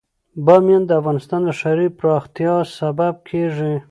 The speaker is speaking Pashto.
بامیان د افغانستان د ښاري پراختیا سبب کېږي.